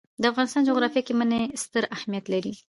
د افغانستان جغرافیه کې منی ستر اهمیت لري.